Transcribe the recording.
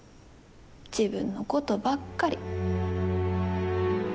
自分のことばっかり。